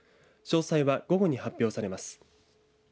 詳細は午後に発表されます。